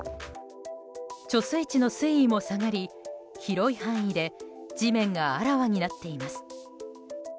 貯水池の水位も下がり広い範囲で地面があらわになっています。